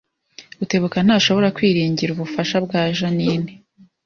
Rutebuka ntashobora kwiringira ubufasha bwa Jeaninne